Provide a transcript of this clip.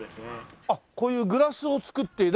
あっこういうグラスを作って中に入れる。